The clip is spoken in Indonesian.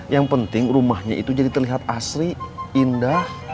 yang penting rumahnya itu jadi terlihat asri indah